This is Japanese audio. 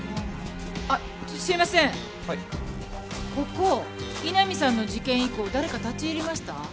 ここ井波さんの事件以降誰か立ち入りました？